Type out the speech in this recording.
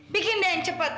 bikin deh yang cepat